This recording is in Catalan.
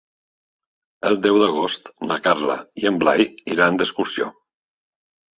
El deu d'agost na Carla i en Blai iran d'excursió.